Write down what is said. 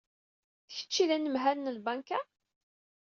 D kečč i d anemhal n lbanka?